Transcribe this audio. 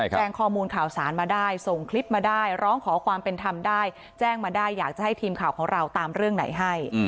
แจ้งข้อมูลข่าวสารมาได้ส่งคลิปมาได้ร้องขอความเป็นธรรมได้แจ้งมาได้อยากจะให้ทีมข่าวของเราตามเรื่องไหนให้